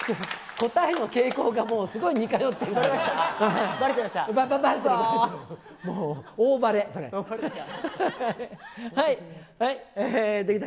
答えの傾向がすごい似通ってばれちゃいました？